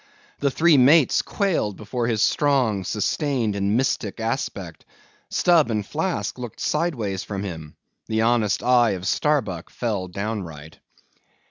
The three mates quailed before his strong, sustained, and mystic aspect. Stubb and Flask looked sideways from him; the honest eye of Starbuck fell downright.